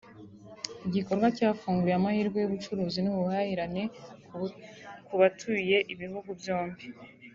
igikorwa cyafunguye amahirwe y’ubucuruzi n’ubuhahirane ku batuye ibihugu byombi